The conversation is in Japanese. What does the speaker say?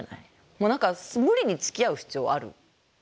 もう何か無理につきあう必要ある？